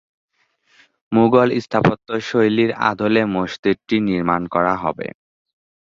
মুঘল স্থাপত্যশৈলীর আদলে মসজিদটি নির্মাণ করা হবে।